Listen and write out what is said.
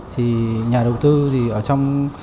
thì nhà đầu tư thì ở trong